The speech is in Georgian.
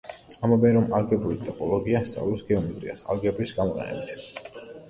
ამბობენ რომ ალგებრული ტოპოლოგია სწავლობს გეომეტრიას, ალგებრის გამოყენებით.